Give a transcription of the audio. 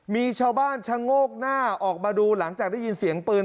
มีชาวบ้านชะโงกหน้าออกมาดูหลังจากได้ยินเสียงปืน